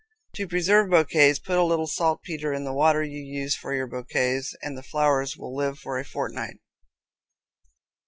To preserve bouquets, put a little saltpetre in the water you use for your bouquets, and the flowers will live for a fortnight.